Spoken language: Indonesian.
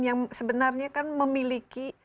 yang sebenarnya kan memiliki